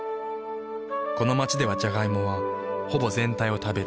この街ではジャガイモはほぼ全体を食べる。